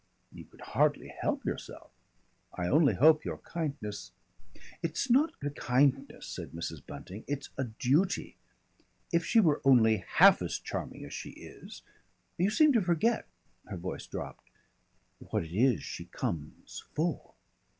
"You could hardly help yourself. I only hope your kindness " "It's not a kindness," said Mrs. Bunting, "it's a duty. If she were only half as charming as she is. You seem to forget" her voice dropped "what it is she comes for."